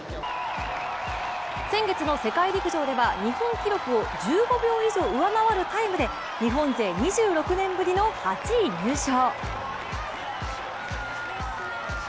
先月の世界陸上では日本記録を１５秒以上上回るタイムで日本勢２６年ぶりの８位入賞。